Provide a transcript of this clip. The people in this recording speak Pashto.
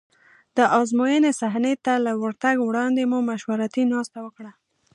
د ازموینې صحنې ته له ورتګ وړاندې مو مشورتي ناسته وکړه.